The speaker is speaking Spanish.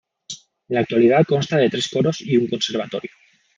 En la actualidad consta de tres coros y un conservatorio.